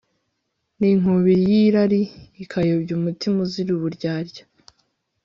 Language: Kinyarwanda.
n'inkubiri y'irari ikayobya umutima uzira uburyarya